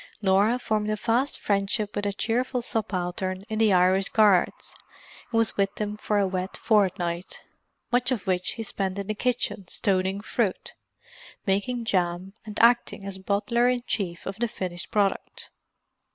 Norah formed a fast friendship with a cheerful subaltern in the Irish Guards, who was with them for a wet fortnight, much of which he spent in the kitchen stoning fruit, making jam, and acting as bottler in chief to the finished product.